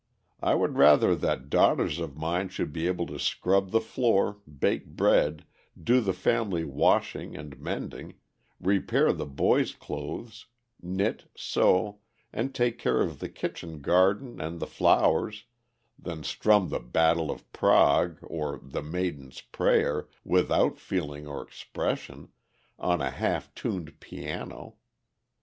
I would rather that daughters of mine should be able to scrub the floor, bake bread, do the family washing and mending, repair the boys' clothes, knit, sew, and take care of the kitchen garden and the flowers, than strum "The Battle of Prague" or "The Maiden's Prayer," without feeling or expression, on a half tuned piano.